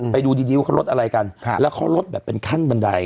ไปดูดีว่าเขาลดอะไรกันแล้วเขาลดแบบเป็นขั้นบันได